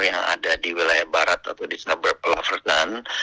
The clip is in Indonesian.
yang ada di wilayah barat atau di sisi pelafatan